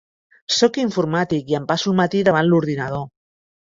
Soc informàtic i em passo el matí davant l'ordinador.